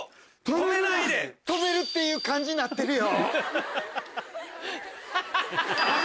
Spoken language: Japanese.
「止める」っていう漢字になってるよ。